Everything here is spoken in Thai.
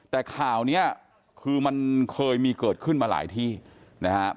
แต่ข่าวนี้คือมันเคยมีเกิดขึ้นมาหลายที่นะครับ